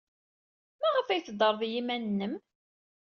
Maɣef ay teddred i yiman-nnem?